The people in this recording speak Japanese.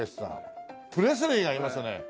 プレスリーがいますね！